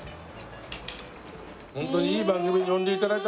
ホントにいい番組に呼んで頂いたな。